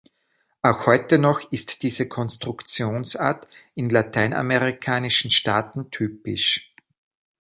Auch heute noch ist diese Konstruktionsart in lateinamerikanischen Staaten typisch.